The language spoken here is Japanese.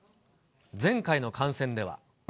前回の感染では。